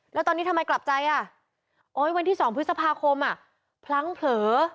แล้วตอนนี้ทำไมกลับใจอ่ะโอ๊ยวันที่๒พฤษภาคมพลั้งเผลอ